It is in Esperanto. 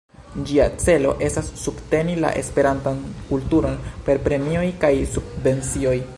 Ĝia celo estas subteni la esperantan kulturon per premioj kaj subvencioj.